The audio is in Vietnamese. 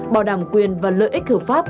bảo đảm quyền và lợi ích hợp pháp